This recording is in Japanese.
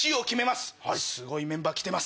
すごいメンバー来てます。